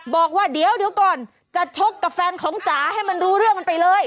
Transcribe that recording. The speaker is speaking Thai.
บอกว่าเดี๋ยวก่อนจะชกกับแฟนของจ๋าให้มันรู้เรื่องมันไปเลย